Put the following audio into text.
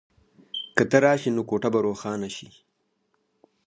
که ته راشې نو کوټه به روښانه شي.